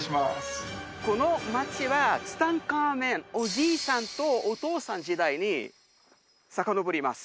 この町はツタンカーメンおじいさんとお父さん時代にさかのぼります